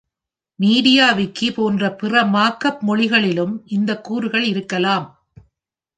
மீடியாவிக்கி போன்ற பிற மார்க்அப் மொழிகளிலும் இந்த கூறுகள் இருக்கலாம்.